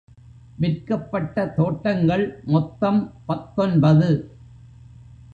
விற்கப்பட்ட தோட்டங்கள் மொத்தம் பத்தொன்பது.